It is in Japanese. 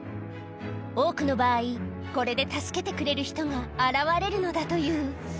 多くの場合、これで助けてくれる人が現れるのだという。